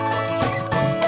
siapa tak design suatu nukar